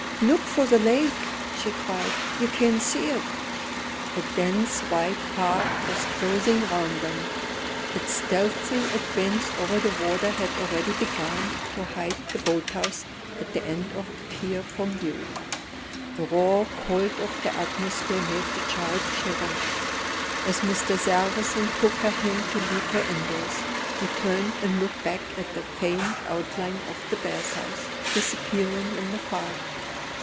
"Look for the lake!" she cried. "You can't see it." A dense white fog was closing round them. Its stealthy advance over the water had already begun to hide the boathouse at the end of the pier from view. The raw cold of the atmosphere made the child shiver. As Mr. Sarrazin took her hand to lead her indoors, he turned and looked back at the faint outline of the boathouse, disappearing in the fog.